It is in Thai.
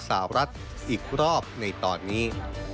สาวรัฐอีกรอบในตอนนี้